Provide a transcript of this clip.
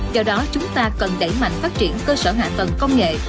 do đó chúng ta cần đẩy mạnh phát triển cơ sở hạ tầng công nghệ